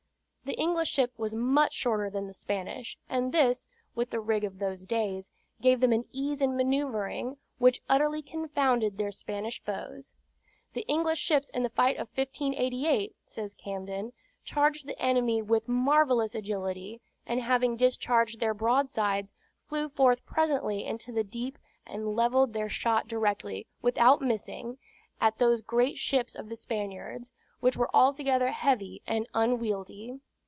The English ship was much shorter than the Spanish; and this (with the rig of those days) gave them an ease in manoeuvring, which utterly confounded their Spanish foes. "The English ships in the fight of 1588," says Camden, "charged the enemy with marvellous agility, and having discharged their broadsides, flew forth presently into the deep, and levelled their shot directly, without missing, at those great ships of the Spaniards, which were altogether heavy and unwieldy."